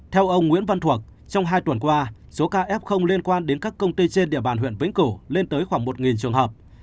theo ông nguyễn văn thuộc trong hai tuần qua số ca f liên quan đến các công ty trên địa bàn huyện vĩnh cửu lên tới khoảng một trường hợp